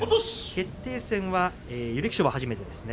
決定戦は優力勝は初めてですね。